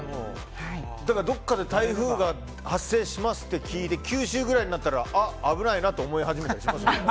どこかで台風が発生しますって聞いて九州ぐらいになったらあ、危ないなと感じ始めます。